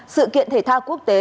sự kiện thể thao quốc tế